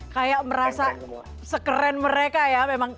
kayak merasa sekeren mereka ya memang